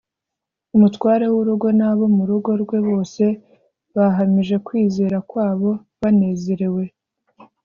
umutware w’urugo n’abo mu rugo rwe bose bahamije kwizera kwabo banezerewe